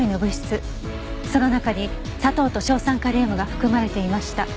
その中に砂糖と硝酸カリウムが含まれていました。